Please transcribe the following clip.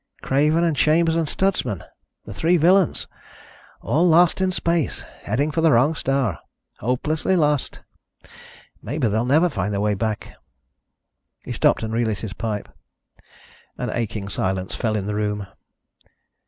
Craven and Chambers and Stutsman. The three villains. All lost in space. Heading for the wrong star. Hopelessly lost. Maybe they'll never find their way back." He stopped and relit his pipe. An aching silence fell in the room.